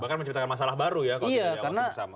bahkan menciptakan masalah baru ya kalau kita masih bersama